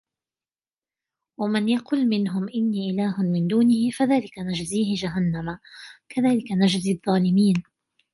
وَمَنْ يَقُلْ مِنْهُمْ إِنِّي إِلَهٌ مِنْ دُونِهِ فَذَلِكَ نَجْزِيهِ جَهَنَّمَ كَذَلِكَ نَجْزِي الظَّالِمِينَ